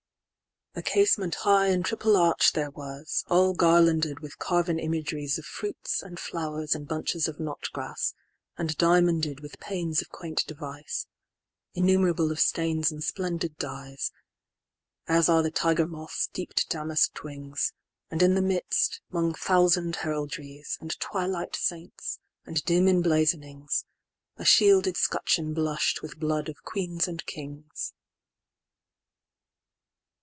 A casement high and triple arch'd there was, All garlanded with carven imag'riesOf fruits, and flowers, and bunches of knot grass, And diamonded with panes of quaint device, Innumerable of stains and splendid dyes, As are the tiger moth's deep damask'd wings; And in the midst, 'mong thousand heraldries, And twilight saints, and dim emblazonings,A shielded scutcheon blush'd with blood of queens and kings.